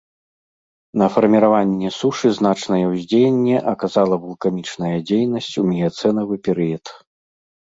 На фарміраванне сушы значнае ўздзеянне аказала вулканічная дзейнасць у міяцэнавы перыяд.